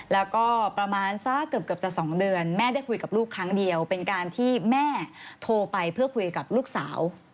แล้วก็ประมาณสักเกือบจะ๒เดือนแม่ได้คุยกับลูกครั้งเดียวเป็นการที่แม่โทรไปเพื่อคุยกับลูกสาว